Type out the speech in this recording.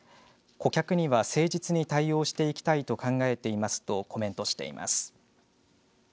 顧客には誠実に対応していきたいと考えていますとコメントしています。